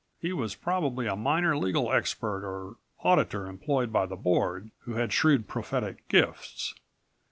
He was probably a minor legal expert or auditor employed by the Board, who had shrewd prophetic gifts